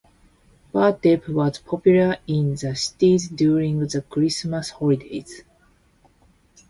"Vertep" was popular in the cities during the Christmas holidays.